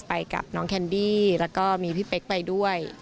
ไปกับน้องแคนดี้แล้วก็มีพี่เป๊กไปด้วย